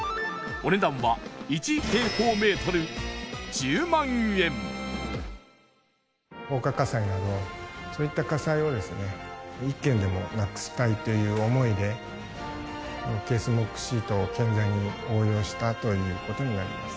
お値段は放火火災などそういった火災をですね１件でもなくしたいという思いでＫ／ＳＭＯＫＥシートを建材に応用したということになります